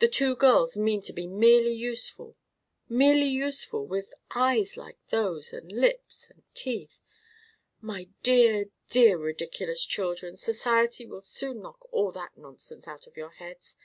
The two girls mean to be merely useful—merely useful, with eyes like those, and lips and teeth. My dear, dear, ridiculous children, society will soon knock all that nonsense out of your heads.